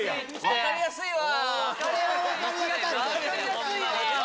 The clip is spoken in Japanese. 分かりやすいわ！